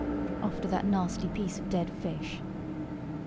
"After that nasty piece of dead fish."